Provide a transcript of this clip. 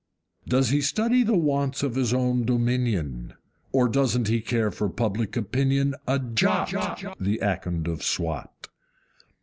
Does he study the wants of his own dominion? Or doesn't he care for public opinion a JOT, The Akond of Swat?